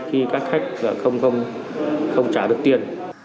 khi các khách không trả được tiền